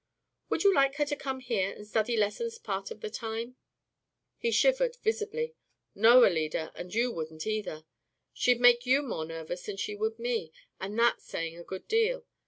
"Would you like her to come here and study lessons part of the time?" He shivered visibly. "No, Alida, and you wouldn't either. She'd make you more nervous than she would me, and that's saying a good deal.